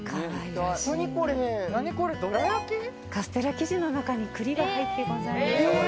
カステラ生地の中に栗が入ってございます。